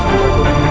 masa itu sudah